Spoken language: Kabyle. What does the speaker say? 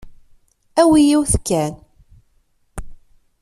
Awi yiwet kan.